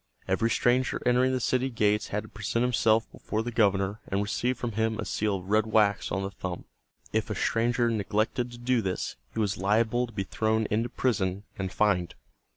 Every stranger entering the city gates had to present himself before the governor and receive from him a seal of red wax on the thumb. If a stranger neglected to do this, he was liable to be thrown into prison and fined.